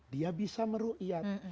dia bisa meru'iyat